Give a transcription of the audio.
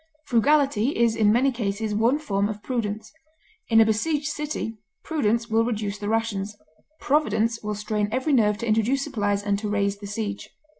Frugality is in many cases one form of prudence. In a besieged city prudence will reduce the rations, providence will strain every nerve to introduce supplies and to raise the siege.